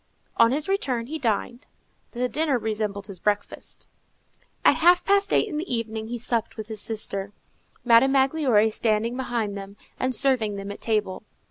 On his return, he dined. The dinner resembled his breakfast. At half past eight in the evening he supped with his sister, Madame Magloire standing behind them and serving them at table.